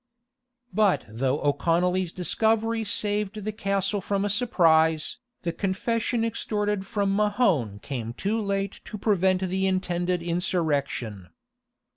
[] But though O'Conolly's discovery saved the castle from a surprise, the confession extorted from Mahone came too late to prevent the intended insurrection.